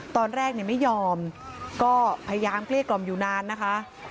ตอนแรกไม่ยอมก็พยายามเกลี้ยกล่อมอยู่นานนะคะ